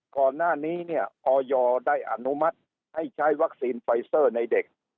ก่อนหน้านี้เนี่ยออยได้อนุมัติให้ใช้วัคซีนไฟเซอร์ในเด็ก